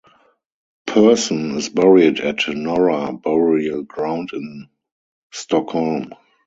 Persson is buried at Norra burial ground in Stockholm.